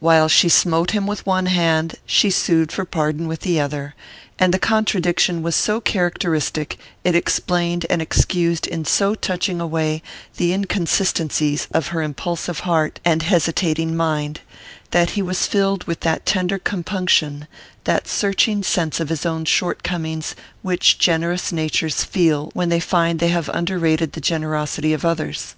While she smote him with one hand, she sued for pardon with the other; and the contradiction was so characteristic, it explained and excused in so touching a way the inconsistencies of her impulsive heart and hesitating mind, that he was filled with that tender compunction, that searching sense of his own shortcomings, which generous natures feel when they find they have underrated the generosity of others.